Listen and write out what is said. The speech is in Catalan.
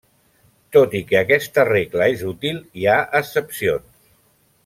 Tot i que aquesta regla és útil hi ha excepcions.